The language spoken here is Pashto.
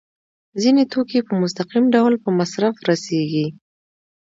ځینې توکي په مستقیم ډول په مصرف رسیږي.